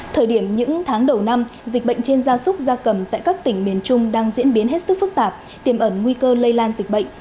thời điểm những tháng đầu năm dịch bệnh trên gia súc gia cầm tại các tỉnh miền trung đang diễn biến hết sức phức tạp tiềm ẩn nguy cơ lây lan dịch bệnh